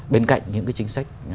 bên cạnh những cái chính sách